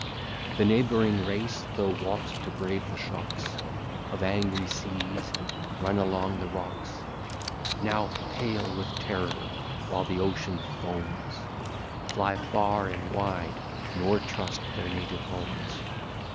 The neighbouring race, though wont to brave the shocks Of angry seas, and run along the rocks, Now, pale with terror, while the ocean foams, Fly far and wide, nor trust their native homes.